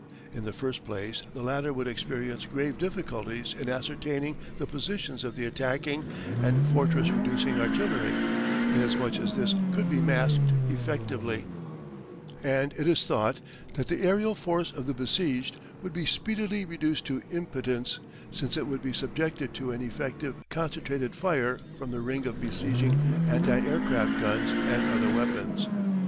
In the first place the latter would experience grave difficulties in ascertaining the positions of the attacking and fortress reducing artillery, inasmuch as this could be masked effectively, and it is thought that the aerial force of the besieged would be speedily reduced to impotence, since it would be subjected to an effective concentrated fire from the ring of besieging anti aircraft guns and other weapons.